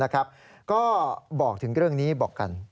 ก็บอกถึงเรื่องนี้บอกกัน